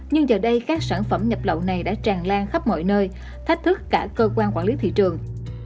nhưng giờ đây các sản phẩm nhập lậu này đã tràn lan khắp mọi nơi thách thức cả cơ quan quản lý thị trường